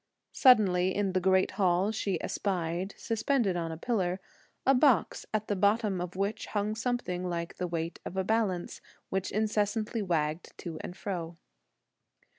Suddenly in the great Hall, she espied, suspended on a pillar, a box at the bottom of which hung something like the weight of a balance, which incessantly wagged to and fro.